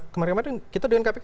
kemarin kemarin kita dengan kpk